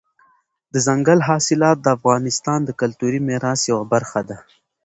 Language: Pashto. دځنګل حاصلات د افغانستان د کلتوري میراث یوه برخه ده.